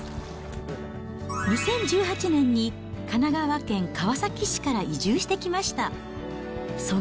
２０１８年に神奈川県川崎市から移住してきました。